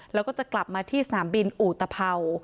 แล้วก็จะกลับมาที่สนามบินอู่ตะเผ่า